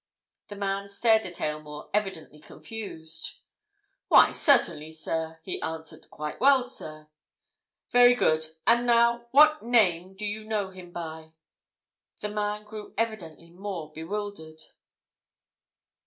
The man stared at Aylmore, evidently confused. "Why, certainly, sir!" he answered. "Quite well, sir." "Very good. And now—what name do you know him by?" The man grew evidently more bewildered.